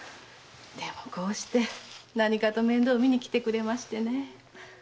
でもこうして何かと面倒みに来てくれましてねえ。